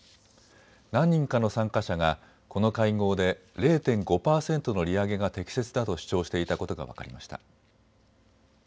何人かの参加者がこの会合で０．５％の利上げが適切だと主張していたことが分かりました。